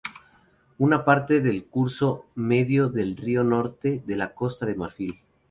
Una parte del curso medio del río en el norte de Costa de Marfil.